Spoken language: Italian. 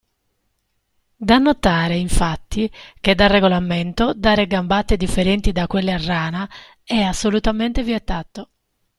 Da notare, infatti, che da regolamento dare gambate differenti da quelle a rana è assolutamente vietato.